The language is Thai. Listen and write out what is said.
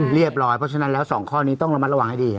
ร้อยเพราะฉะนั้นแล้ว๒ข้อนี้ต้องระมัดระวังให้ดี